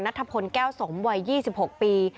นัทพลแก้วสมวัย๒๖ปี